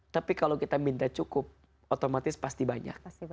tapi kalau kita minta cukup otomatis pasti banyak